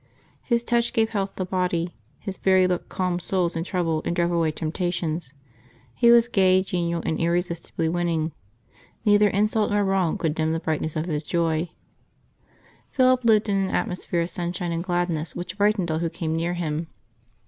His touch gave health of body; his very look calmed souls in trouble and drove away temptations. He was gay, genial. May 2«] LIVES OF THE SAINTS 193 and irresistibly winning; neither insult nor wrong could dim the brightness of his joy. Philip lived in an atmosphere of sunshine and gladness which brightened all who came near him.